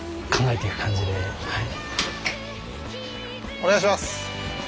お願いします。